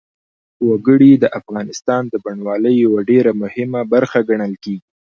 وګړي د افغانستان د بڼوالۍ یوه ډېره مهمه برخه ګڼل کېږي.